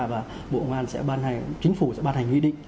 và chính phủ sẽ ban hành nguy định